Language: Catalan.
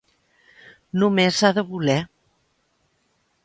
Només ha de voler.